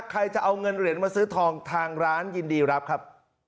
ใครจะเอาเงินเหรียญมาซื้อทองทางร้านยินดีรับครับ